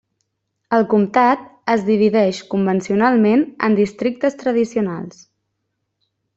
El comtat es divideix convencionalment en districtes tradicionals.